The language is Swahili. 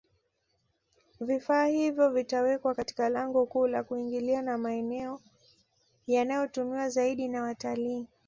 Vifaa hivyo vitawekwa Katika lango kuu la kuingilia na maeneo yanayotumiwa zaidi na watalii